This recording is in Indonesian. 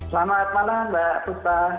selamat malam mbak